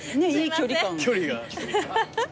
距離が。